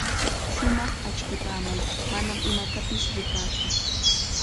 Shumaq achkipamay, manam imatapis rikaatsu.